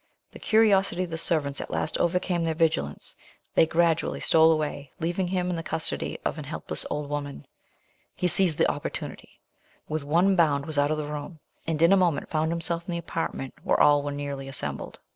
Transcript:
The curiosity of the servants at last overcame their vigilance, they gradually stole away, leaving him in the custody of an helpless old woman. He seized the opportunity, with one bound was out of the room, and in a moment found himself in the apartment where all were nearly assembled.